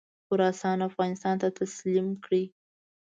خراسان افغانستان ته تسلیم کړي.